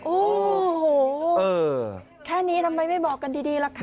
โอ้โหแค่นี้ทำไมไม่บอกกันดีล่ะคะ